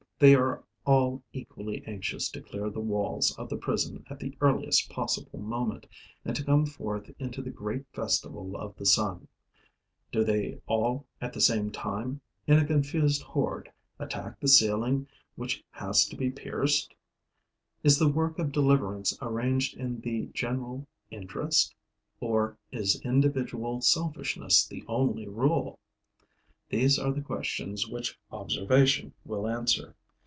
They are all equally anxious to clear the walls of the prison at the earliest possible moment and to come forth into the great festival of the sun: do they all at the same time, in a confused horde, attack the ceiling which has to be pierced? Is the work of deliverance arranged in the general interest? Or is individual selfishness the only rule? These are the questions which observation will answer.